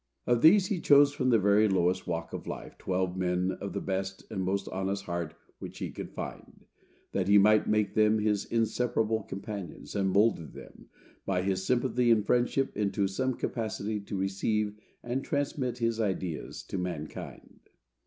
Of these, he chose, from the very lowest walk of life, twelve men of the best and most honest heart which he could find, that he might make them his inseparable companions, and mould them, by his sympathy and friendship, into some capacity to receive and transmit his ideas to mankind.